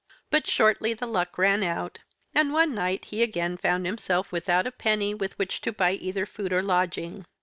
But, shortly, the luck ran out, and one night he again found himself without a penny with which to buy either food or lodging.